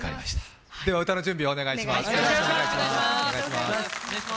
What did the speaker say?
では歌の準備、よろしくお願いします。